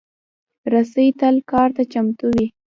رسۍ تل کار ته چمتو وي.